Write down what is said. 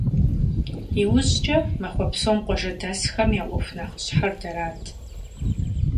ИужькӀэ махуэ псом къуажэдэсхэм я Ӏуэху нэхъыщхьэр дэрат.